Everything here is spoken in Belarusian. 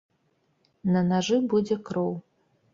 На нажы будзе кроў.